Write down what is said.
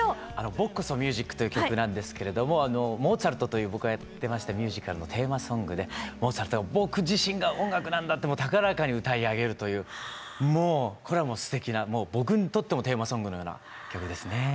「僕こそ音楽」という曲なんですけれども「モーツァルト！」という僕がやってましたミュージカルのテーマソングでモーツァルトが「僕自身が音楽なんだ」って高らかに歌い上げるというもうこれはもうすてきな僕にとってもテーマソングのような曲ですね。